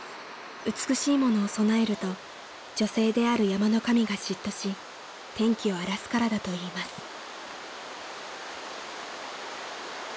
［美しいものを備えると女性である山の神が嫉妬し天気を荒らすからだといいます］